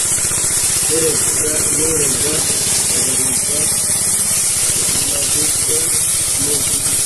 urega n uregwa babarizwa runavuga mu